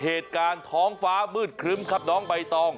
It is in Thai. เหตุการณ์ท้องฟ้ามืดครึ้มครับน้องใบตอง